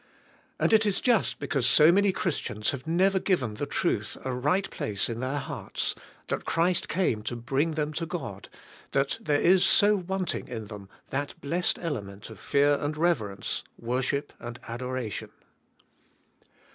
And it is just because so many Christians have never given the truth a right place in their hearts, that Christ came to bring them to God^ that there is so wanting in them that blessed element of fear and reverence, worship and adoration.